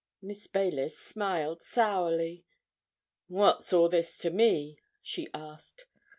Miss Baylis smiled sourly. "What's all this to me?" she asked.